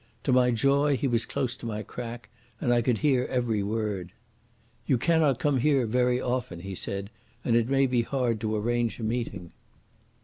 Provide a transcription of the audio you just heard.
To my joy he was close to my crack, and I could hear every word. "You cannot come here very often," he said, "and it may be hard to arrange a meeting.